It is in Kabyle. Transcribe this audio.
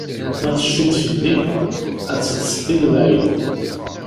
Ma tecfiḍ felli, ad d-teḍseḍ i lebɛid.